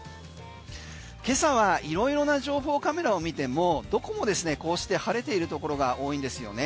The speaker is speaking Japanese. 今朝は色々な情報カメラを見てもどこも、こうして晴れているところが多いんです。